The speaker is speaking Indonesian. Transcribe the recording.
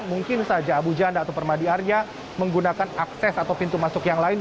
mungkin saja abu janda atau permadi arya menggunakan akses atau pintu masuk yang lain